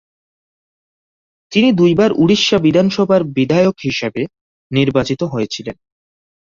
তিনি দুইবার উড়িষ্যা বিধানসভার বিধায়ক হিসেবে নির্বাচিত হয়েছিলেন।